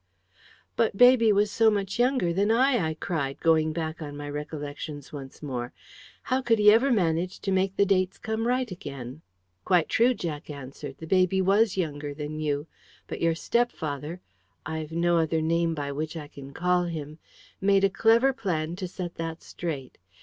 "But baby was so much younger than I!" I cried, going back on my recollections once more. "How could he ever manage to make the dates come right again?" "Quite true," Jack answered; "the baby was younger than you. But your step father I've no other name by which I can call him made a clever plan to set that straight.